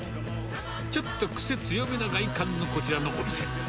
ちょっと癖強めな外観のこちらのお店。